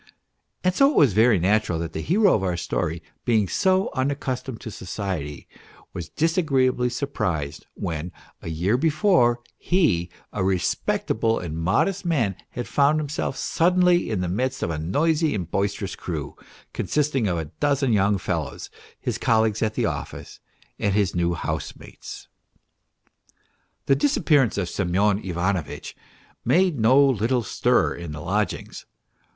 " And so it was very natural that the hero of our story, being so unaccustomed to society was disagreeably surprised when, a year before, he, a respectable and modest man, had found himself, suddenly in the midst of a noisy and boisterous crew, consisting of a dozen young fellows, his colleagues at the office, and his new house mates. The disappearance of Semyon Ivanovitch made no little stir in the lodgings.